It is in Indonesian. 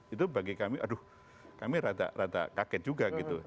itu bagi kami aduh kami rata rata kaget juga gitu